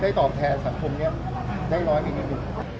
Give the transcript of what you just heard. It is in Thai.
ได้ตอบแทนสังคมเนี่ยได้ร้อยกันนิดนึง